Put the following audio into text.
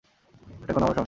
এটা এখন আমারও সমস্যা।